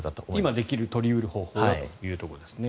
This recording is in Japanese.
今できる取り得る方法ということですね。